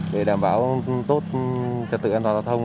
để đảm bảo tốt trật tự an toàn giao thông